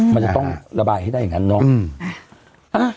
มันจะต้องระบายให้ได้อย่างนั้นเนาะ